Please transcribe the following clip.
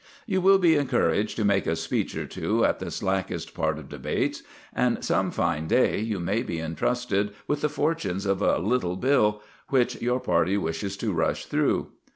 You will be encouraged to make a speech or two at the slackest part of debates, and some fine day you may be entrusted with the fortunes of a little Bill which your party wishes to rush through.